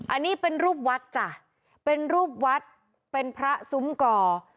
อันนี้เป็นรูปวัดจ้ะเป็นรูปวัดเป็นพระซุ้มก่อ